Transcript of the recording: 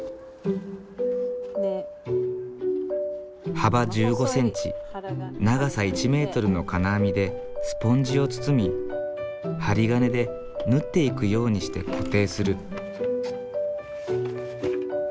幅１５センチ長さ１メートルの金網でスポンジを包み針金で縫っていくようにして固定する。